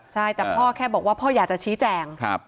ใช่แต่พ่อแค่บอกว่าพ่ออยากจะชี้แจง